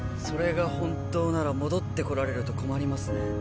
それが本当なら戻ってこられると困りますね